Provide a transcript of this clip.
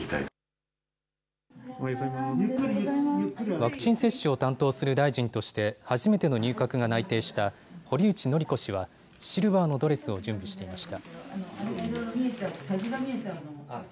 ワクチン接種を担当する大臣として初めての入閣が内定した堀内詔子氏は、シルバーのドレスを準備していました。